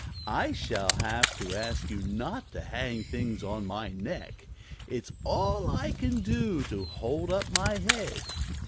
I shall have to ask you not to hang things on my neck. It's all I can do to hold up my head."